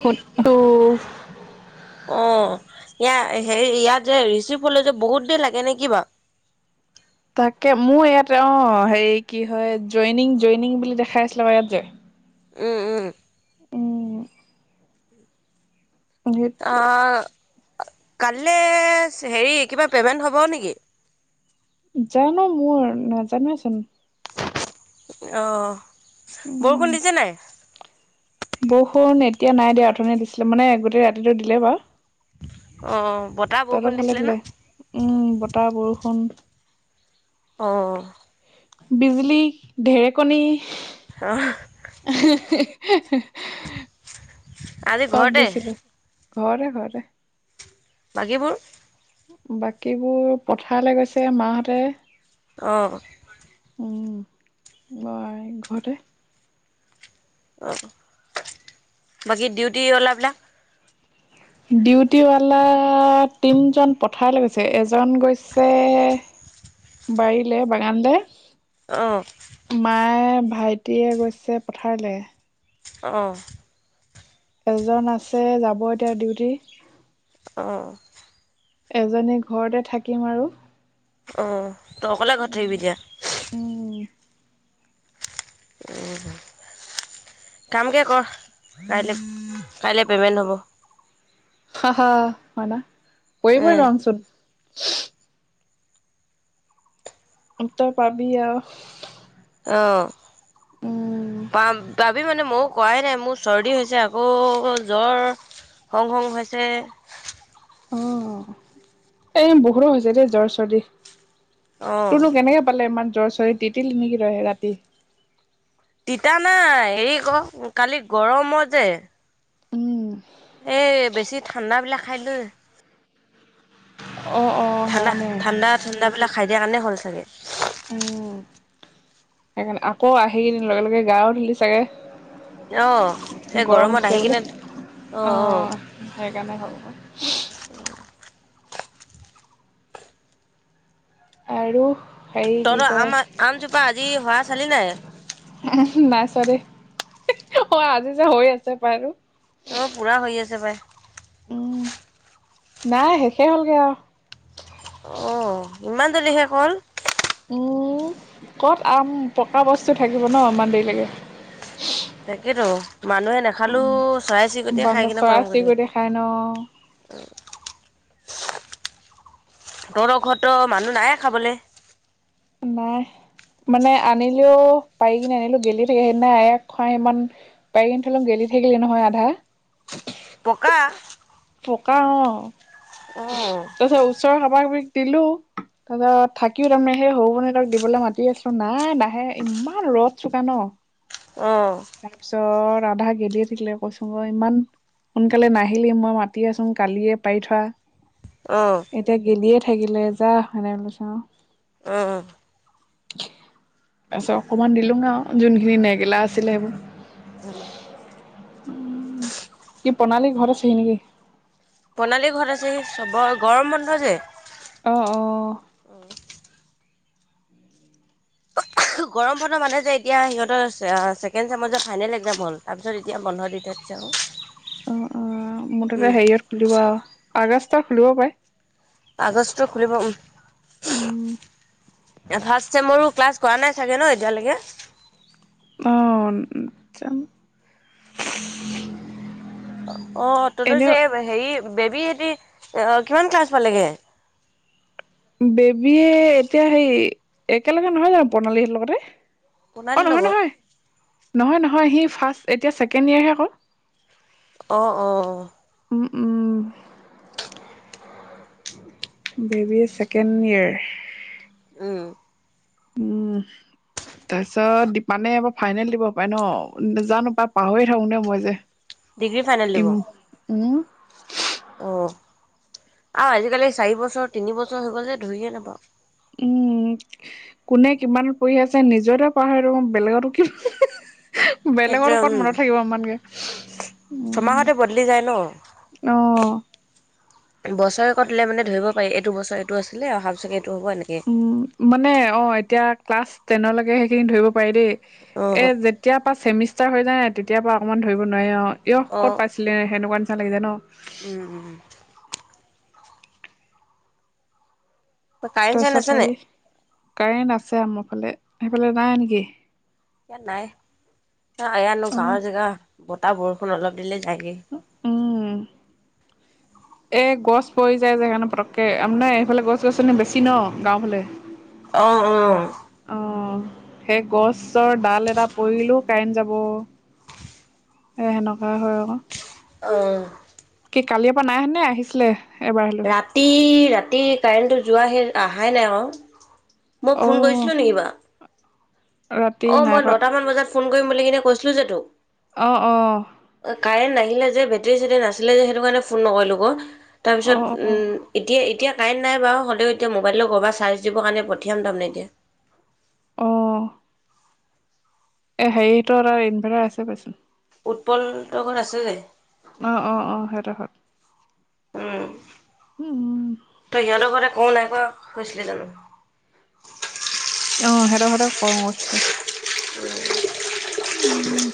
ফু্টটো অ' ইয়া হে, ইয়াত যে ৰিচিভ হ'লে যে বহুত দেৰি লাগে নেকি বাৰু? তাকে, মোৰ ইয়াত অ' হেৰি কি হয় জইনিং জইনিং বুলি দেখাই আছিলে বা ইয়াত যে। উম, উম। উম। সেইটোৱে আ কাইলৈ হেৰি কিবা পেমেণ্ট হ'ব নিকি? জানো মোৰ নাজানোচোন। অ। উম বৰষুণ দিছে নাই? বৰষুণ এতিয়া নাই দিয়া অথনি দিছিলে মানে গোটেই ৰাতিটো দিলে বাও। অ বত তহঁতৰ ফালে দিলে? উম বতাহ, বৰষুণ অ। বিজুলী, ঢেৰেকণী অ। [unintelligible] আজি চব ঘৰতে দিছিলে, ঘৰতে ঘৰতে। বাকীবোৰ? বাকীবোৰ পথাৰলে গৈছে মাহঁতে। অ। উম, মই ঘৰতে অ, বাকী ডিউটিৱালা এইবিলাক? ডিউটিৱালা তিনজন পথাৰলে গৈছে এজন গৈছে বাৰীলে বাগানলে। অ। মায়ে, ভাইটিয়ে গৈছে পথাৰলে। অ। এজন আছে যাব এতিয়া ডিউটি। অ। এজনী ঘৰতে থাকিম আৰু। অ তই অকলে ঘৰত থাকিবি এতিয়া? উম। উম কামকে কৰ কাইলে কাইলে পেমেণ্ট হ'ব। হয় ন কৰিবই উম, নোৱাৰোচোন। উত্তৰ পাবি আও। অ উম পাম পাবি মানে ময়ো কৰায়ে নাই মোৰ চৰ্দি হৈছে আকৌ জ্বৰ হং হং হৈছে। অ, এই বহুতৰ হৈছে দেই জ্বৰ, চৰ্দি। অ তোৰনো কেনেকে পালে ইমান জ্বৰ-চৰে তিতিলি নিকি তই ৰাতি? তিতা নাই হেৰি আক কালি গৰমত যে উম এ বেছি ঠাণ্ডাবিলাক খাই দিলো অ অ। ঠাণ্ডা সেইকাৰণে ঠাণ্ডা ঠাণ্ডাবিলাক খাই দিয়াৰ কাৰণে হ'ল চাগে। উম সেইকাৰণে আকৌ আহি লগে লগে গাও ধূলি চাগে। অ সেই গৰম গৰমত আহি উঠিছে বুলি কিনে অ সেইকাৰণে হ'ল। [unintelligible] আৰু হেৰি কি তহঁতৰ কয় আম আমজোপা আজি সৰা চালি নে? নাইছোৱা দেই অ আজি যে সৰি আছে বাৰু। অঁ পুৰা হৈ আছে পাই। নাই শেষেই হ'লগে আৰু। অঁ! ইমান জল্দি শেষ হ'ল? উম! ক'ত আম পকা বস্তু থাকিব ন ইমান দেৰিলৈকে। তাকেতো। মানুহে নাখালো চৰাই-চিৰিকটিয়ে বান্দা খাই কিনে চৰাই খতম কৰি চিৰিকটিয়ে খাই ন দিব। [inaudible] তহঁতৰ ঘৰতো মানুহ নাইয়ে খাবলে? নাই মানে আনিলেও পাৰি কিনে আনিলো গেলি থাকে। সেইদিনা এক খৰাহি মান পাৰি কিনে থলোং গেলি থাকিলে নহয় আধা। পকা? পকা অঁ। উম। তাৰ পাছত ওচৰৰ কাবা-কাবিক দিলোঁ। তাৰ পিছত থাকিও তাৰমানে সেই সৰুবন তহঁতক দিবলৈ মাতি আছোঁ নাই নাহে। ইমান ৰ'দ চোকা ন? অঁ। তাৰপিছত আধা গেলিয়ে থাকিলে কৈছোঁং ক ইমান সোনকালে নাহিলি মই মাতি আছোঁং কালিয়ে পাৰি থোৱা। অঁ! এতিয়া গেলিয়ে থাকিলে যা সেনেকে বুলি চোং। অঁ! তাৰপিছত অকমান দিলোং আৰু যোনখিনি নেগেলা আছিলে সেইবোৰ। উম। [inaudible] কি প্ৰণালী ঘৰত আছে হি নেকি? প্ৰণালী ঘৰত আছেহি চবৰে গৰম বন্ধ যে। অঁ-অঁ! [unintelligible] গৰম বন্ধ মানে যে এতিয়া সিহঁতৰ ছেকেণ্ড চেমেৰ ফাইনেল একজাম হ'ল। তাৰপিছত এতিয়া বন্ধ দি থৈ দিছে ক। উম-উম! মুঠতে হেৰিয়ত খুলিব আৰু আগষ্ট খুলিব পাৰে। আগষ্টত খুলিব উম। উম ফাৰ্ষ্ট চেমৰো ক্লাছ কৰা নাই চাগে ন এতিয়ালৈকে? অঁ! জানো [inaudible] অঁ তহঁতৰ যে হেৰি বেবী সেতি অ কিমান ক্লাছ পালেগে? বেবীয়ে এতিয়া সেই একেলগে নহয় জানো প্ৰণালীহঁতৰ লগতে? অঁ প্ৰণালীৰ লগত নহয়-নহয়, নহয়-নহয় সি ফাৰ্ষ্ট এতিয়া ছেকেণ্ড ইয়েৰহে আকৌ। অঁ-অঁ। উম-উম। [inaudible] বেবিয়ে ছেকেণ্ড ইয়েৰ। উম। উম। তাৰপিছত দিপানে এইবাৰ ফাইনেল দিব পাৰে ন? জানো পাই পাহৰিয়েই থাকোঁং দেই মই যে। ডিগ্ৰী ফাইনেল দিব। ইম উম [unintelligible] অ! আৰু আজিকালি চাৰিবছৰ, তিনিবছৰ হৈ গ'ল যে ধৰিয়ে নাপাওঁ। উম। কোনে কিমানত পঢ়ি আছে নিজৰটোয়েই পাহৰি থাকো বেলেগৰতো কি সেইটোৱে বেলেগৰটো ক'ত উম, মনত থাকিব ইমানকে ছমাহতে বদলি যায় ন উম। অ'। বছৰেকত দিলে মানে ধৰিব পাৰি এইটো বছৰে এইটো আছিলে আৰু অহা বছৰকে এইটো হ'ব এনেকে। মানে অ' এতিয়া ক্লাছ টেনলৈকে সেইখিনি ধৰিব পাৰি দেই এ অ যে যেতিয়াৰ পৰা চেমিষ্টাৰ হৈ যায় তেতিয়াৰ পৰা অকণমান ধৰিব নোৱাৰি অ' ইয়হ ক'ত পাইছিলে সেনেকুৱা নিচিনা লাগি যায় ন। উম, উম, উম। কাৰেণ্ট চাৰেণ্ট তাৰপিছত আছে নাই হেৰি কাৰেণ্ট আছে আমাৰ ফালে সেইফালে নাই নেকি? ইয়াত নাই এয়ানো অ গাঁৱৰ জেগা বতাহ বৰষুণ অলপ দিলে যায়গে। উম এ গছ পৰি যায় যে কাৰণে পটককে আ নে এইফালে গছ গছনি বেছি ন গাঁও ফালে অ', অ'। অ' সেই গছৰ ডাল এটা পৰিলেও কাৰেন্ট যাব। এই সেনেকুৱা হয় আৰু। অ'। কি কালিৰ পৰা নাইহেনে আহিছিলে এবাৰ হ ৰাতি ৰাতি কাৰেণ্টটো যোৱা সেই অহাই নাই আ মই অ ফোন কৰিছিলো নেকি বাৰু। ৰাতি অ' নাই মই কৰা নটামান বজাত ফোন কৰিম বুলি কিনে কৈছিলো যে তোক। অ', অ'। কাৰেণ্ট নাহিলে যে বেটেৰী চেটেৰী নাছিলে যে সেইটো কাৰণে ফোন নকৰিলো আকৌ। অ অ তাৰপিছত এতিয়া এতিয়া কাৰেণ্ট নাই বাৰু হ'লেও এতিয়া মোবাইলটো কৰবাত চাৰ্জ দিব কাৰণে পঠিয়াম তাৰ মানে এতিয়া অ'। এ হেৰিহঁতৰ তাত ইনভাৰটাৰ আছে পাইচোন। উৎপলহঁতৰ ঘৰত আছে অ', অ', অ' সিহঁতৰ ঘৰত উম উম তই সিহঁতৰ ঘ কওঁ নাই কোৱা হৈছিলি জানো। অ' সিহঁতৰ ঘৰতে কম কৰিছিলো। উম [unintelligible] উম।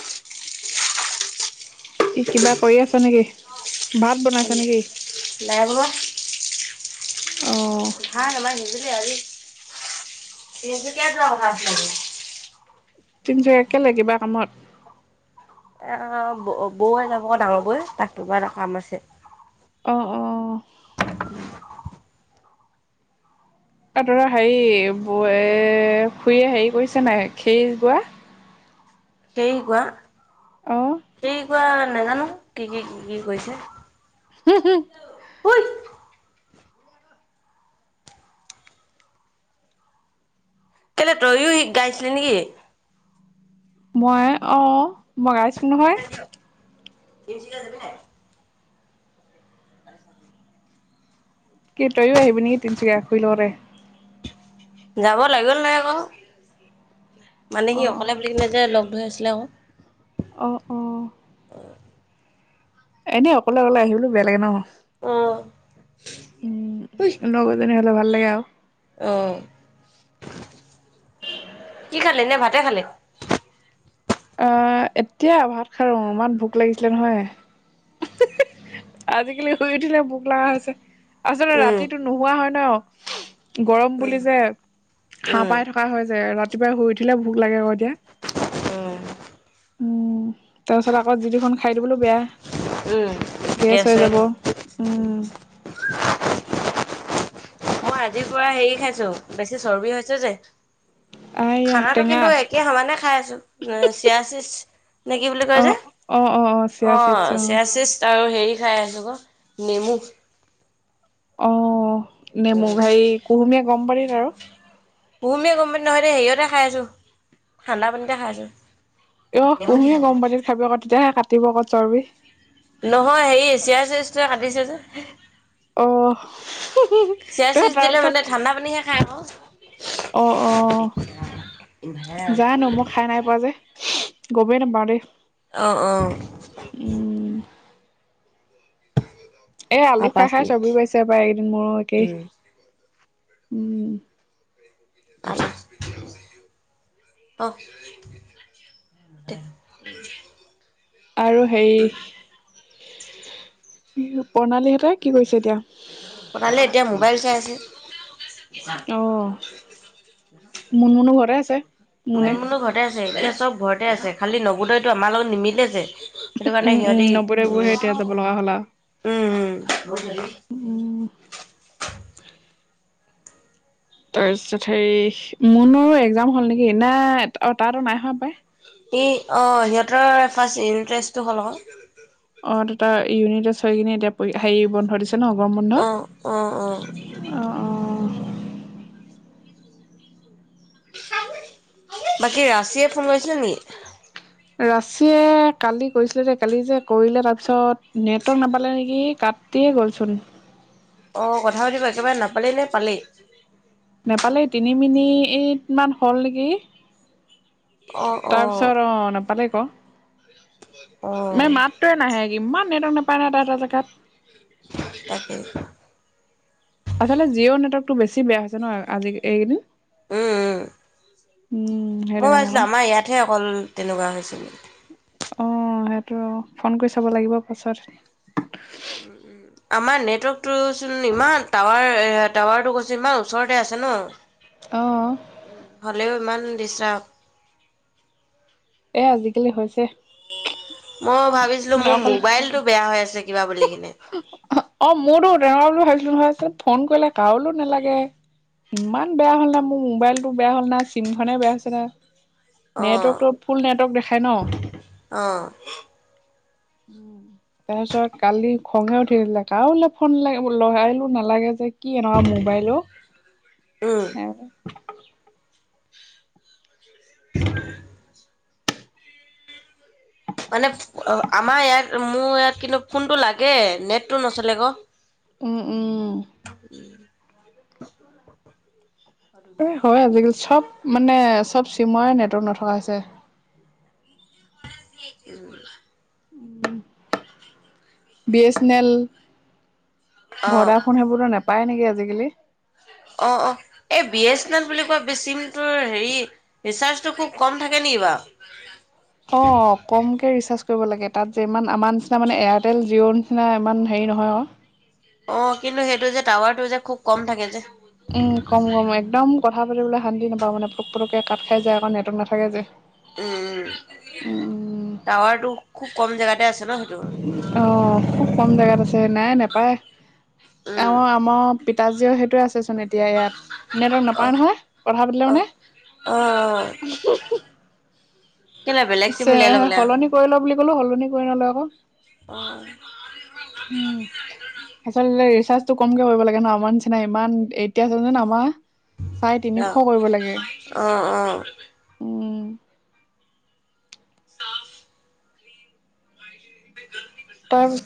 কি কিবা কৰি আছো নেকি? ভাত বনাইছ নাই নেকি বাবা। অ [unintelligible] তিনিচুকীয়া কেলেই, কিবা কামত? বৌয়ে যাব ডাঙৰ বৌয়ে তাতটোৰ পৰা এটা কাম আছে। অ', অ'। [unintelligible] অ' তৰা হেৰি বৌয়ে খুৰীয়ে হেৰি কৰিছে নাই খে গোৱা তেৰি কোৱা অ তেৰি কোৱা নাজানো কি কি কি কৰিছে? [unintelligible] ঐ কেলে তয়ো গাইছিলি নেকি? মই অ' মই গাইছো নহয়। [unintelligible] [inaudible] কি তয়ো আহিবি নেকি তিনিচুকীয়া খুৰীৰ লগতে। যাব লাগিব নেলাগে ক? মানে সি অ অকলে বুলি কিনে যে লগ ধৰি আছিলে ক '। অ অ। এনেই অকলে অকলে আহিবলো বেয়া লাগে ন '। অঁ। উম, লগৰজনি হলে ভাল লাগে আও। অঁ, কি খালে? নে ভাতেই খালে? অঁ, এতিয়া ভাত খালো। ইমান ভোক লাগিছিলে নহয়। আজি-কালি শুই উঠিলে ভোক লগা হৈছে। আচলতে উম, ৰাতিটো নোহোৱা হয় ন '। গৰম বুলি উম, যে হাৰ উম, পাই থকা হয় যে ৰাতিপুৱা শুই উঠিলে ভোক লাগে ক 'এতিয়া। উম। উম, তাৰপিছত আকৌ যি-তি খন খাই দিবলৈও বেয়া। উম, গেছ হৈ হয় যাব। ন'। উম, মই আজিৰ পৰা হেৰি খাইছো। বেছি চৰ্বি হৈছ যে। আইয়া খানটো টেঙা কিন্তুএ একে সমানে খাই আছোঁ। এ- চিৰা চিছ নে, কি বুলি কয় যে? অ', অ', অ', অ', চিয়া অঁ, চিডছ অ'। চিয়া চিছ। ত' হেৰি খাই আছোঁ ক'। নেমু। অঁ--নেমু, হেৰি কুহুমীয়া গৰম পানীত আৰু। কুহুমীয়া গৰম পানী নহয় দেই। হেৰিয়তে খাই আছোঁ। ঠাণ্ডা পানীতে খাই আছোঁ। ইয়হ কুহমীয়া গৰম পানীত খাবি আক'। তেতিয়াহে কাটিব আক' চৰ্বি। নহয়। হেৰি, চিয়া চিছটোৱে কাটিছে যে। অহ চিয়া ত চিছ দিলে তাৰপিছত মানে ঠাণ্ডা পানীহে খাই আক'। অঁ, অঁ। জানো? মই খাই নাইপোৱা যে। গমেই নাপাওঁ দেই। অঁ, অঁ। উম। এহ, আলু আৰু খাই পাঁচ খাই মিনিট চৰ্বি বাঢ়িছে হপাই? এইকেইদিন মোৰো একেই। উম উম। অঁহ। আৰু হেৰি। প্ৰণালীহেঁতে কি কৰিছে এতিয়া? ভালেই। এতিয়া মোবাইল ছাই আছে। অ, মুনমুনো ঘৰেতে আছে? মুনে মুনমুনো ঘৰতে আছে। এতিয়া চব্‌ ঘৰতে আছে। খালি নগোদয়টো আমাৰ লগত নিমিলেজে। সেইটো কাৰণে উম উম সিহঁতি, নবৌদে বোৰহে এতিয়া যাব লগা হ'ল আও উম, উম। উম তাৰপিছত হেৰি, মুনৰো একজাম হল নেকি? সেইদিনা, অ তা টো নাই হোৱা হপাই? ই, অঁ, সিহঁতৰ ফাৰ্ষ্ট ইউনিট্ৰেষ্টটো হ'ল ক'। অঁ, দুটা ইউনিট্ৰেষ্ট হৈ কিনে এতিয়া হেৰি বন্ধ দিছে ন '? গৰম বন্ধ। অ অ অ অঁ, অঁ। বাকী ৰাচিয়ে ফোন মাৰিছিলে নেকি? ৰাচিয়ে কালি কৰিছিলে দেই। কালি যে কৰিলে, তাৰপিছত নেটৱৰ্ক নাপালে নেকি? কাত্‌ দি গ'লচোন। অঁ, কথা পাতিব একেবাৰে নাপালি নে পালি? নেপালেই। তিনি মিনিট মান হ'ল নেকি? অ অ তাৰপিছত, অঁ নাপালেই ক'। অ এনেই মাত- টোৱে নাহে। ইমান নেটৱৰ্ক নাপায় না তহঁতৰ জেগাত? তাকেই। আচলতে জিঅ' নেটৱৰ্কটো বেছি বেয়া হৈছে ন'? আজি, এইকদিন। উম উম। সেইটো মই কাৰণে ভাবিছিলো আকৌ আমাৰ ইয়াতহে অকল তেনেকুৱা হৈছে [unintelligible] অ সেইটো, ফোন কৰি চাব লাগিব পাছত। [unintelligible] আমাৰ নেটৱৰ্কটোচোন ইমান টাৱাৰ টাৱাৰটো কৈছোন ইমান ওচৰতে আছে ন। [unintelligible] অ। হ'লেও ইমান ডিষ্টাৰ্ব। এ আজিকালি হৈছে। মই ভাবিছিলো মানে মোৰ অকল মোবাইলটো বেয়া হৈ আছে কিবা বুলি কিনে। অ, মোৰতো তেনেকুৱা বুলি ভাবিছিলো নহয়। ফোন কৰিলে কাৰোলো নালাগে। ইমান বেয়া হ'ল না, মো মোবাইলটো বেয়া হ'ল না, চিম খনে বেয়া হৈছে না। অ', নেটৱৰ্ক ত' ফুল নেটৱৰ্ক দেখাই ন? অ। [inaudible] তাৰপিছত কালি খঙে উঠিছিলে। কাওলে ফোন লা লগাইলো নালাগে যে। কি এনেকুৱা মোবাইল উম। অ। [unintelligible] [unintelligible] মানে আমাৰ ইয়াত মোৰ ইয়াত কিন্তু ফোনটো লাগে নেটটো নচলে ক। উম উম। এ হয় আজিকালি চব, মানে চব চিমৰে নেটৱৰ্ক নথকা হৈছে। [inaudible] [inaudible] বি এ চেনেল, অ', ভডা ফোন সেইবোৰতো নাপায় নেকি আজিকালি। অ অ, এই বি এ চেনেল বুলি কোৱা বেচিম তোৰ হেৰি। ৰিচাৰ্জটো খুব কম থাকে নেকি বাৱ? অ কমকে ৰিচাৰ্জ কৰিব লাগে। তাত যে ইমান আমাৰ নিচিনা মানে এয়াৰটেল, জিঅ' নিচিনা ইমান হেৰি নহয় অ। অ, কিন্তু সেইটো যে টাৱাৰটো যে খুব কম থাকে যে? উম, কম কম একদম কথা পাতিবলে শান্তি নাপাৱ মানে, পোক পতকে কাট খাই যায় আক নেটক নাথাকে যে। উম উম, উম টাৱাৰটো খুব কম জেগাতে আছে ন? সেইটো? অ, খুব কম জেগাত আছে। নাই নেপায় উম, এওঁ আম পিতাজীঅ সেইটোৱে আছে চুন এতিয়া ইয়াত। নেটৱৰ্ক অ, নাপায় নহয়, কথা পাতিলে অ, মানে। অ, কেলে বেলেগ চিম পিছে, উলিয়াই ল'ব লাগে। সলনি কৰি লোৱা বুলি কলো সলনি কৰি নলয় অক'। [unintelligible] আচলতে ৰিচাৰ্জটো কমকে কৰিব লাগে ন। আমাৰ নিচিনা ইমান এতিয়া চোৱাসুন আমাৰ। চাৰে তিনিশ য়া, কৰিব লাগে অ অ। উম [unintelligible] [unintelligible] [unintelligible]